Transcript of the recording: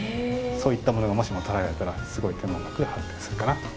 そういったものがもしも捉えられたらすごい天文学が発展するかなと。